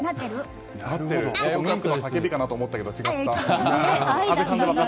ムンクの叫びかなと思ったら違った。